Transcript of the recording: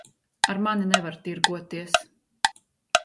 Ar mani nevar tirgoties.